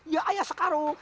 ya ayah sekarung